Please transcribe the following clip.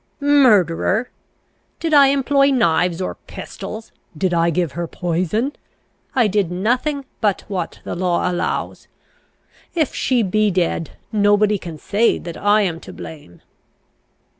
"Murderer? Did I employ knives or pistols? Did I give her poison? I did nothing but what the law allows. If she be dead, nobody can say that I am to blame!"